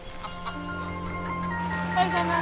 おはようございます。